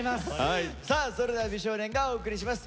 さあそれでは美少年がお送りします。